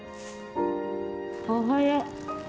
おはよう。